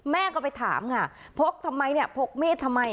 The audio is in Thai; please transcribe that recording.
แม่ก็ไปถามค่ะพกทำไมเนี่ยพกมีดทำไม